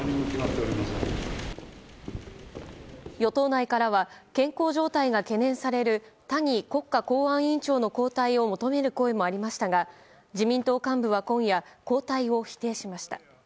与党内からは健康状態が懸念される谷国家公安委員長の交代を求める声もありましたが自民党幹部は今夜、交代を否定しました。